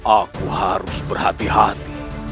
aku harus berhati hati